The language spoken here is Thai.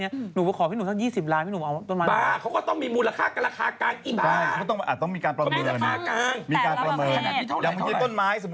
อิจฉนตร์ลัพธุ์ไหม